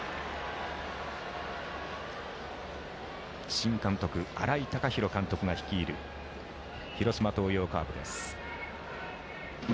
新監督、新井貴浩監督が率いる広島東洋カープです。